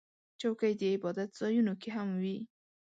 چوکۍ د عبادت ځایونو کې هم وي.